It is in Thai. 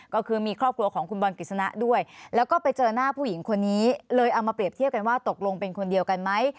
ก็คือมีครอบครัวของคุณบอลกฤษณะด้วยแล้วก็ไปเจอหน้าผู้หญิงคนนี้เลยเอามาเปรียบเทียบกันว่าตกลงเป็นคนเดียวกันไหม